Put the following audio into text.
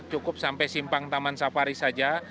cukup sampai simpang taman safari saja